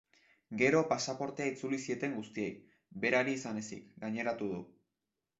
Gero, pasaportea itzuli zieten guztiei, berari izan ezik, gaineratu du.